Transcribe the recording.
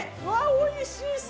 ◆おいしそう！